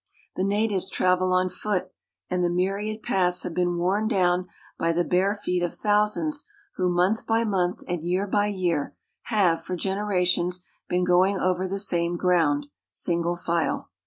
The natives travel on foot, and the myriad paths have been worn down by the bare feet of thousands who month by month and year by year have, for generations, been going over the same ground, single file.